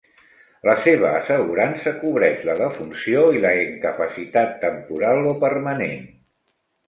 La seva assegurança cobreix la defunció i la incapacitat temporal o permanent.